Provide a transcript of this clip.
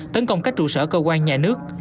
tấn công các trụ sở cơ quan nhà nước